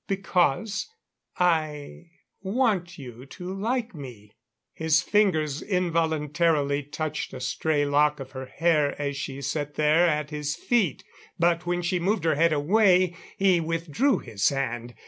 Because I want you to like me." His fingers involuntarily touched a stray lock of her hair as she sat there at his feet, but when she moved her head away he withdrew his hand.